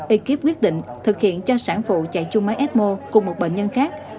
ekip quyết định thực hiện cho sản phụ chạy chung máy ecmo cùng một bệnh nhân khác